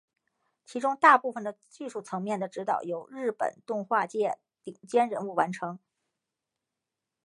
其中大部分的技术层面的指导由日本动画界顶尖人物完成。